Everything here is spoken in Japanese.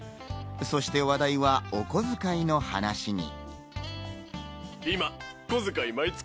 そして話題はおこづかいの話に。